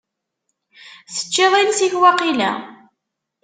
Teččiḍ iles-ik waqila?